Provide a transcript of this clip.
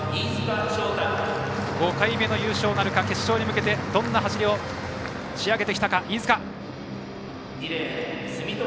５回目の優勝なるか決勝に向けてどんな走りを仕上げてきたか、飯塚。